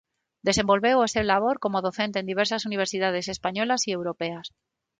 Desenvolveu o seu labor como docente en diversas universidades españolas e europeas.